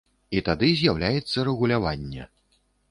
І тады з'яўляецца рэгуляванне.